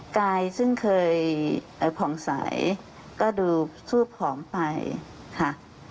กายซึ่งเคยผ่องใสก็ดูสู้ผอมไปค่ะ